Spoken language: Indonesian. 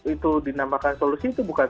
itu dinamakan solusi itu bukan